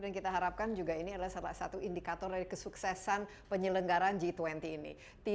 dan kita harapkan juga ini adalah salah satu indikator dari kesuksesan penyelenggaraan g dua puluh ini